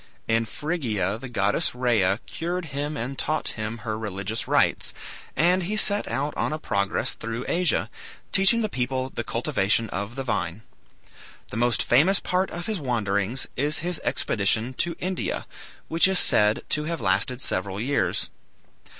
In Phrygia the goddess Rhea cured him and taught him her religious rites, and he set out on a progress through Asia, teaching the people the cultivation of the vine. The most famous part of his wanderings is his expedition to India, which is said to have lasted several years.